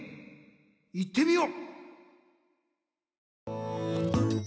いってみよう！